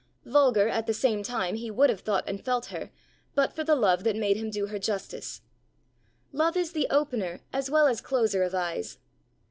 Vulgar, at the same time, he would have thought and felt her, but for the love that made him do her justice. Love is the opener as well as closer of eyes.